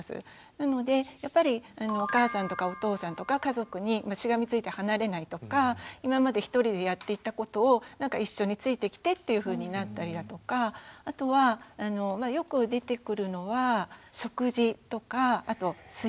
なのでやっぱりお母さんとかお父さんとか家族にしがみついて離れないとか今まで一人でやっていたことをなんか一緒についてきてっていうふうになったりだとかあとはよく出てくるのは食事とかあと睡眠ですね。